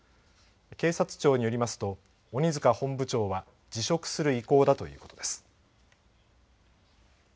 警察庁によりますと鬼塚本部長は辞職する意向だということです。